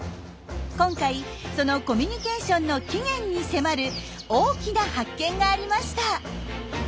今回そのコミュニケーションの起源に迫る大きな発見がありました。